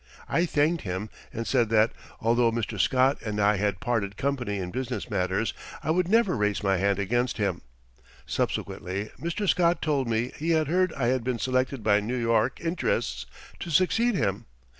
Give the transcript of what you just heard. I thanked him and said that, although Mr. Scott and I had parted company in business matters, I would never raise my hand against him. Subsequently Mr. Scott told me he had heard I had been selected by New York interests to succeed him.